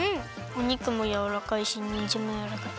お肉もやわらかいしにんじんもやわらかい。